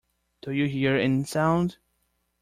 Do you hear any sound?